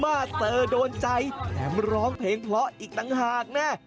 มาเชิกโดนใจแถมร้องเพลงเพลาอิกตังหากแน่